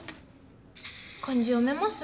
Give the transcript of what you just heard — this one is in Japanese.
漢字読めます？